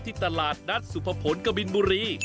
ตลาดนัดสุภพลกบินบุรี